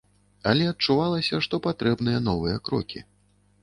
Але адчувалася, што патрэбныя новыя крокі.